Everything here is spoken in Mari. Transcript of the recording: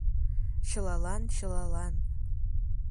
Чылалан-чылалан.